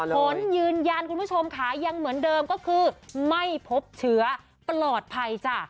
ผลยืนยันคุณผู้ชมค่ะยังเหมือนเดิมก็คือไม่พบเชื้อปลอดภัยจ้ะ